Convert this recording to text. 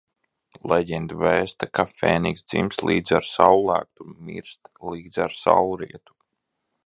Leģenda vēsta, ka fēnikss dzimst līdz ar saullēktu un mirst līdz ar saulrietu.